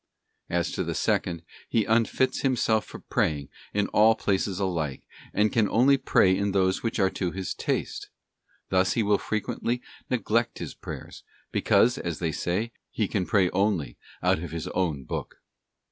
} As to the second, he unfits himself for praying in all places alike, and he can only pray in. those which are to his taste. Thus he will frequently neglect his prayers, because, as they say, he can pray only out of his own book.